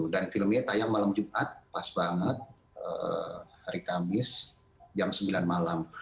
filmnya tayang malam jumat pas banget hari kamis jam sembilan malam